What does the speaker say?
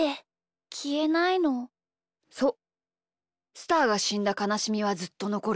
スターがしんだかなしみはずっとのこる。